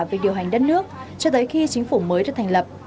về điều hành đất nước cho tới khi chính phủ mới được thành lập